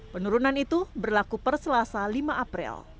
penurunan itu berlaku perselasa lima april